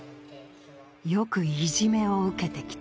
よくいじめを受けてきた。